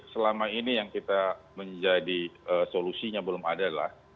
selama ini yang kita menjadi solusinya belum ada adalah